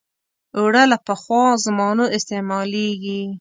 اوړه له پخوا زمانو استعمالېږي